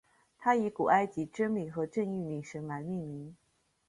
它以古埃及真理和正义女神来命名。